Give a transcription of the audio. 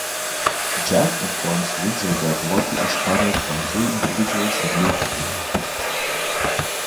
Jack informs Windsor that Lucky is bothered by three individuals that live with him.